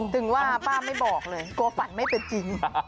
ถึงว่าป้าไม่บอกเลยกลัวฝันไม่เป็นจริง